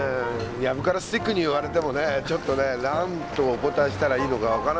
藪からスティックに言われてもねちょっとね何とお答えしたらいいのか分からないけども。